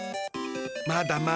まだまだ。